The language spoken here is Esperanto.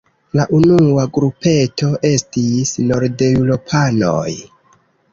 La unua grupeto estis nordeŭropanoj.